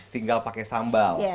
tinggal pakai sambal